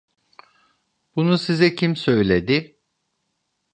Bunu size kim söyledi?